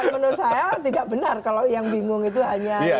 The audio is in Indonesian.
menurut saya tidak benar kalau yang bingung itu hanya